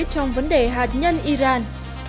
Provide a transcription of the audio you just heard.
trong vấn đề hạt nhân iran